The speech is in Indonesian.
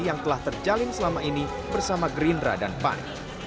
yang telah terjalin selama ini bersama gerindra dan pan